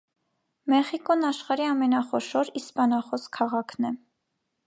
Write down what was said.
Մեխիկոն աշխարհի ամենախոշոր իսպանախոս քաղաքն է։